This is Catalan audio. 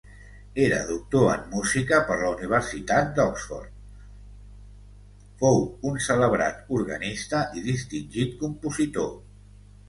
Era doctor en Música per la Universitat d'Oxford, fou un celebrat organista i distingit compositor.